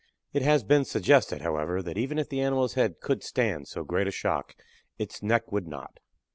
It has been suggested, however, that even if the animal's head could stand so great a shock, it's neck would not.